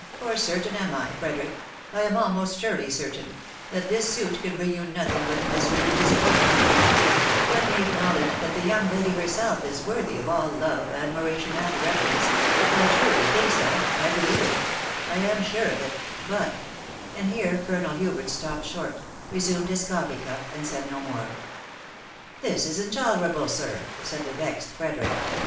.... for certain am I, Frederick — I am most surely certain — that this suit can bring you nothing but misery and disappointment. Let me acknowledge that the young Jsdy herself is worthy of aXL \crce, «dsa\ta2asB\, «m^^»^» 8 4 £64 THE WIDOW BARNABY. Tence ;.... I truly think so .... I believe it ••.. I a sure of it .... but ".... and here Colonel Hubert stopped short, resumed his coffee cup, and said no more. " This is intolerable, sir/' said the vexed Frederick.